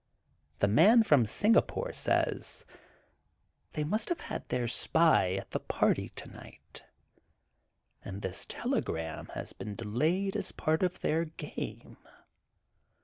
The Man from Singapore says: They must have had their spy at the party tonight. And this telegram has been delayed as part of their game.